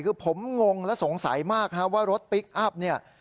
คือผมงงและสงสัยมากว่ารถพลิกอัพเนี่ย